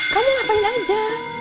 kamu ngapain aja